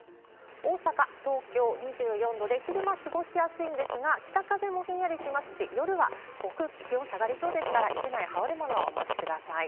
大阪、東京、２４度で昼間、過ごしやすいんですが、北風もひんやりしますし、夜は気温下がりそうですから、一枚羽織るものをお持ちください。